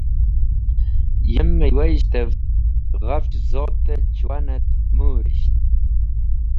Yem meywayishtev ghafch zot-e chũwan et mũrisht.